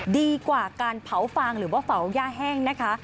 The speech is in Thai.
ดีกว่าการเผาฟางหรือว่าเผาย่าแห้งนะคะ